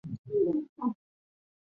古奥德吕雄。